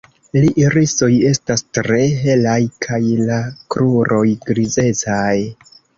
La irisoj estas tre helaj kaj la kruroj grizecaj.